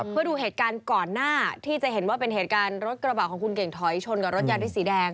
เพื่อดูเหตุการณ์ก่อนหน้าที่จะเห็นว่าเป็นเหตุการณ์รถกระบะของคุณเก่งถอยชนกับรถยาริสสีแดง